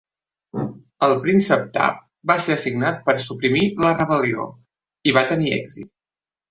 El príncep Thap va ser assignat per suprimir la rebel·lió, i va tenir èxit.